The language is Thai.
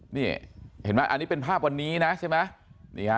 นี่เห็นไหมอันนี้เป็นภาพวันนี้นะใช่ไหม